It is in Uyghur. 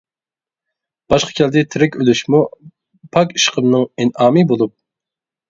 باشقا كەلدى تىرىك ئۆلۈشمۇ، پاك ئىشقىمنىڭ ئىنئامى بولۇپ.